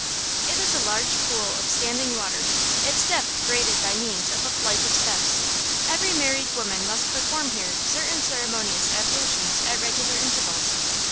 It is a large pool of standing water, its depth graded by means of a flight of steps. Every married woman must perform here certain ceremonious ablutions at regular intervals.